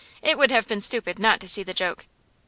It would have been stupid not to see the joke.